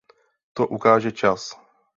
To ukáže čas.